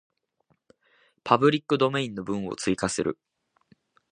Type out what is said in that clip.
パブリックドメインの文を追加する